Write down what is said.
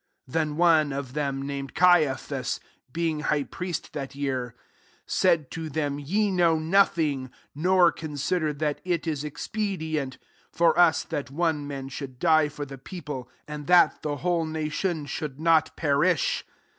49 Then one of them, named Caiaphas, being high priest that year, said to them, " Ye know nothing; 50 nor consider that it is expedient for us that one man should die for the people, and that the whole nation should not perish."